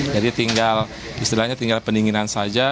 jadi tinggal istilahnya tinggal pendinginan saja